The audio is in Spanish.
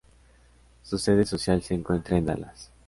Su sede social se encuentra en Dallas.